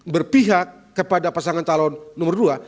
berpihak kepada pasangan calon nomor dua